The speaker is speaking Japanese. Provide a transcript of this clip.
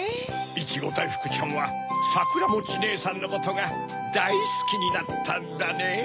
いちごだいふくちゃんはさくらもちねえさんのことがだいスキになったんだねぇ。